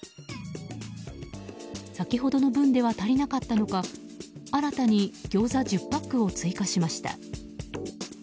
先ほどの分では足りなかったのか新たにギョーザ１０パックを追加しました。